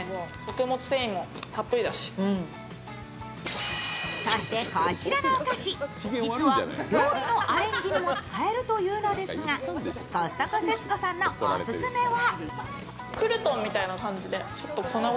そしてこちらのお菓子、実は料理のアレンジにも使えるというのですがコストコ節子さんのオススメは？